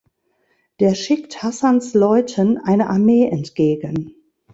Der schickt Hassans Leuten eine Armee entgegen.